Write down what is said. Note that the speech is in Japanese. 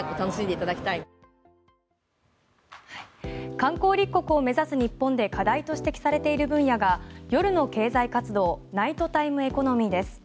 観光立国を目指す日本で課題と指摘されている分野が夜の経済活動ナイトタイムエコノミーです。